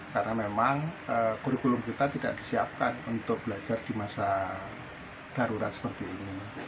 karena memang kurikulum kita tidak disiapkan untuk belajar di masa darurat seperti ini